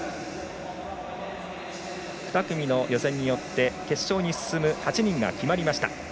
２組の予選のよって決勝に進む８人が決まりました。